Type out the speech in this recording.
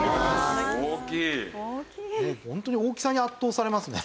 ホントに大きさに圧倒されますね。